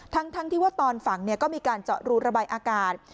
ทั้งที่ว่าตอนฝังก็มีการเจาะรูระบายอากาศ